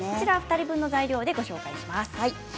２人分の材料でご紹介します。